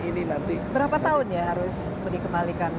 ini nanti berapa tahun ya harus dikembalikan